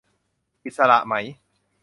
อิสระไหม